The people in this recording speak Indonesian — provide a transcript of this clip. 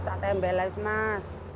ktp yang belas mas